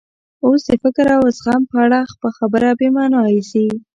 اوس د فکر او زغم په اړه خبره بې مانا ایسي.